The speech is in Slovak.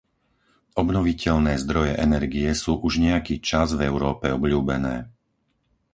Obnoviteľné zdroje energie sú už nejaký čas v Európe obľúbené.